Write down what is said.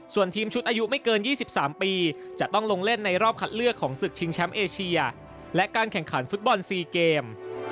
ส่วนทีมชุดอายุไม่เกิน๒๓ปีจะต้องลงเล่นในรอบคัดเลือกของศึกชิงแชมป์เอเชียและการแข่งขันฟุตบอล๔เกม